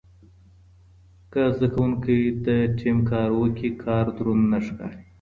که زده کوونکي د ټیم کار وکړي، کار دروند نه ښکاري.